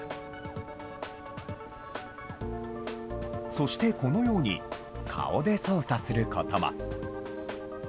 そしてこのように、顔で操作することも。